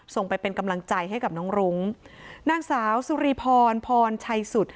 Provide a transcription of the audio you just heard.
ส่งไปเป็นกำลังใจให้กับน้องรุ้งนางสาวสุริพรพรชัยสุด